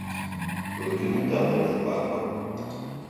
Ыджыри тадэжь шъукъакӏо.